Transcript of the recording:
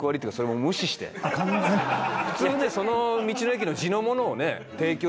普通ねその道の駅の地のものを提供しないと。